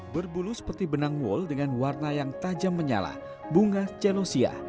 berbulu seperti benang wol dengan warna yang tajam menyala bunga celosia